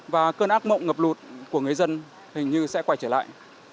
và cơn ác mộng ngập lụt của người dân hình như sẽ quay trở lại